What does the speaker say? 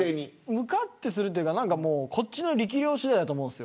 むかっとするというかこっちの力量次第だと思うんです。